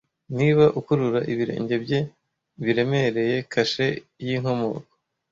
niba akurura ibirenge bye biremereye kashe yinkomoko